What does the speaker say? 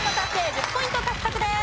１０ポイント獲得です。